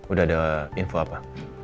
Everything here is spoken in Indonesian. udah ada info apa